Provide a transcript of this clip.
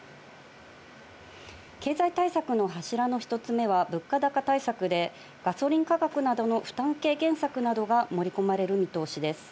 経済対策の柱の１つ目は、物価高対策でガソリン価格などの負担軽減策などが盛り込まれる見通しです。